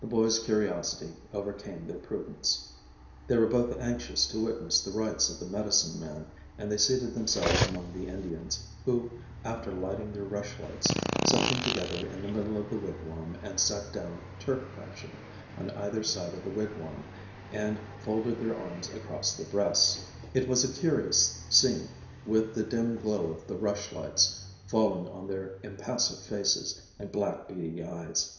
The boys' curiosity overcame their prudence. They were both anxious to witness the rites of the medicine man and they seated themselves among the Indians, who, after lighting their rushlights, set them together in the middle of the wigwam and sat down Turk fashion on either side of the wigwam and folded their arms across their breasts. It was a curious scene, with the dim glow of the rushlights falling on their impassive faces and black, beady eyes.